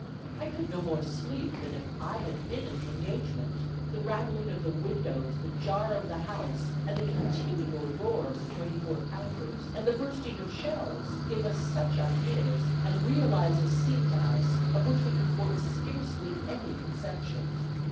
I could no more sleep than if I had been in the engagement; the rattling of the windows, the jar of the house, the continual roar of twenty four pounders, and the bursting of shells, give us such ideas, and realize a scene to us of which we could form scarcely any conception.